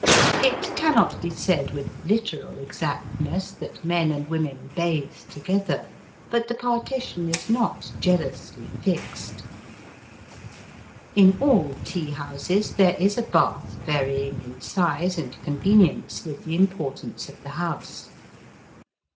It cannot be said with literal exactness that men and women bathe together; but the partition is not jealously fixed. In all tea houses there is a bath varying in size and convenience with the importance of the house.